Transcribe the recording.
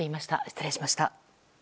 失礼しました。